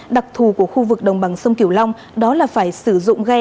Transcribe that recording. đặc thù của khu vực đồng bằng sông kiểu long đó là phải sử dụng ghe